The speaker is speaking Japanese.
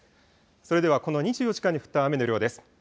それではこの２４時間に降った雨の量です。